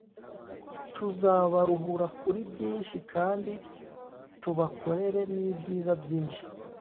tuzabaruhura kuri byinshi kandi tubakorere n'ibyiza byinshi